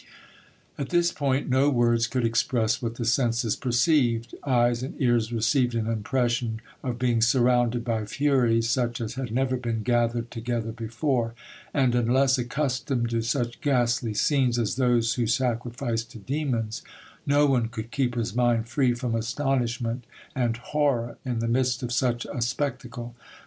"At this point no words could express what the senses perceived; eyes and ears received an impression of being surrounded by furies such as had never been gathered together before; and unless accustomed to such ghastly scenes as those who sacrifice to demons, no one could keep his mind free from astonishment and horror in the midst of such a spectacle.